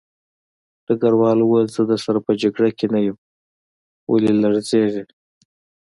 ډګروال وویل زه درسره په جګړه کې نه یم ولې لړزېږې